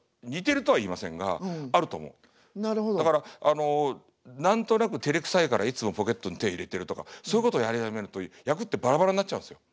だから何となくてれくさいからいつもポケットに手入れてるとかそういうことやり始めると役ってバラバラになっちゃうんですよ。